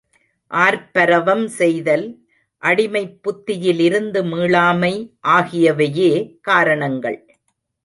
ஆர்ப்பரவம் செய்தல், அடிமைப் புத்தியிலிருந்து மீளாமை ஆகியவையே காரணங்கள்.